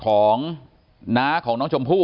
ประสงสามรูปนะคะนำสายสีขาวผูกข้อมือให้กับพ่อแม่ของน้องชมพู่